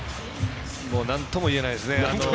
なんとも言えないですね。